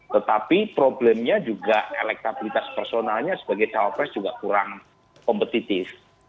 tetapi problemnya juga elektabilitas personalnya sebagai cawapres juga kurang kompetitif